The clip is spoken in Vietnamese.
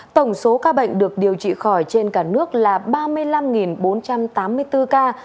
tổng số ca bệnh được điều trị khỏi trên cả nước là ba mươi năm bốn trăm tám mươi bốn ca